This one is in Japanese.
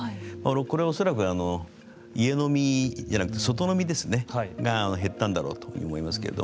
これは恐らく家飲みじゃなくて外飲みですが減ったんだというふうに思いますけど。